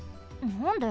なんで？